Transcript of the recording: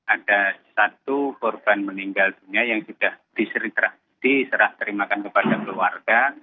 ada satu korban meninggal dunia yang sudah diserah terimakan kepada keluarga